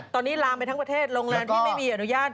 ตอนนี้ลามไปทั้งประเทศโรงแรมที่ไม่มีอนุญาต